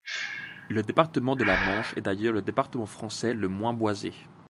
Le département de la Manche est d'ailleurs le département français le moins boisé.